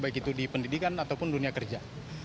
baik itu di pendidikan ataupun dunia kerja